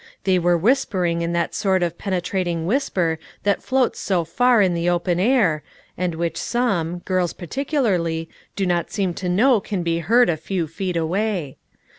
They were whispering in that sort of pene trating whisper that floats so far in the open air, and which some, girls, particularly, do not seem to know can be heard a few feet away.